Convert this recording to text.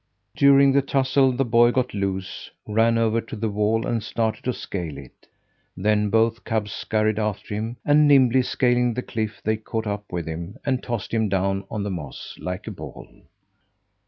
During the tussle the boy got loose, ran over to the wall, and started to scale it. Then both cubs scurried after him, and, nimbly scaling the cliff, they caught up with him and tossed him down on the moss, like a ball.